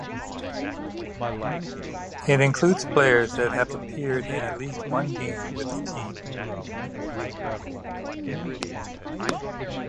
It includes players that have appeared in at least one game with the team.